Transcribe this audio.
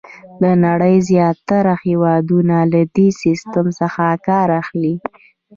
د نړۍ زیاتره هېوادونه له دې سیسټم څخه کار اخلي.